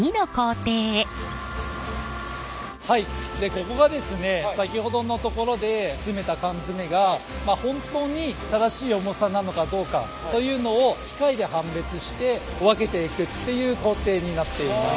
ここがですね先ほどのところで詰めた缶詰が本当に正しい重さなのかどうかというのを機械で判別して分けていくっていう工程になっています。